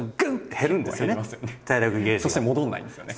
そして戻んないんですよね。